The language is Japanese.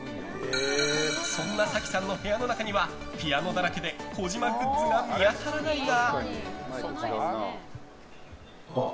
そんな咲希さんの部屋の中にはピアノだらけで児嶋グッズが見当たらないが。